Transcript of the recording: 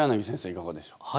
いかがでしょうか？